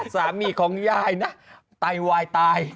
สามีของยายนะไตวายตาย